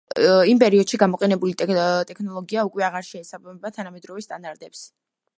იმ პერიოდში გამოყენებული ტექნოლოგია უკვე აღარ შეესაბამება თანამედროვე სტანდარტებს.